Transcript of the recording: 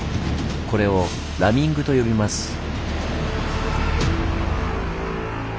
これを「ラミング」と呼びます。